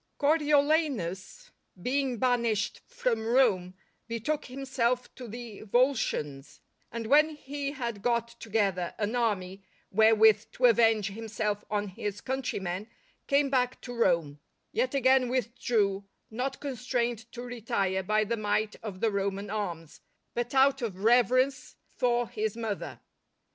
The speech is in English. _ Coriolanus being banished from Rome betook himself to the Volscians, and when he had got together an army wherewith to avenge himself on his countrymen, came back to Rome; yet, again withdrew, not constrained to retire by the might of the Roman arms, but out of reverence for his mother.